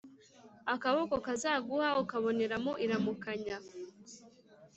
Akaboko kazaguha ukabonera mu iramukanya